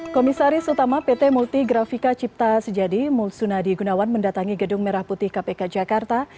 komisaris utama pt multigrafika cipta sejadi mulsunadi gunawan mendatangi gedung merah putih kpk jakarta